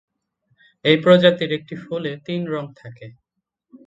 এই প্রজাতির একটি ফুলে তিন রং থাকে।